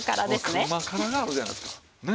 うま辛があるじゃないですか。